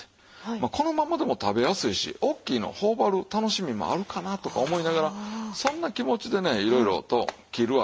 まあこのままでも食べやすいし大きいのを頬張る楽しみもあるかなとか思いながらそんな気持ちでねいろいろと切るわけですけども。